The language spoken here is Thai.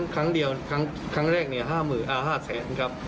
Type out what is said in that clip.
ครั้งเดียวครั้งแรก๕๐๐อาหารแสนครับ